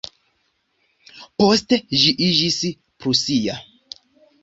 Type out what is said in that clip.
Poste ĝi iĝis prusia.